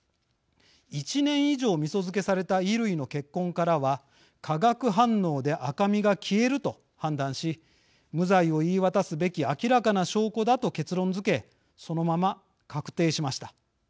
１年以上みそ漬けされた衣類の血痕からは化学反応で赤みが消えると判断し無罪を言い渡すべき明らかな証拠だ、と結論づけそのまま確定しました。